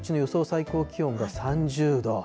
最高気温が３０度。